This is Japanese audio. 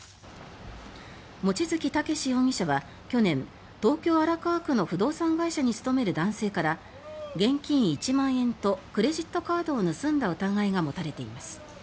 望月健志容疑者は去年東京・荒川区の不動産会社に勤める男性から現金１万円とクレジットカードを盗んだ疑いが持たれています。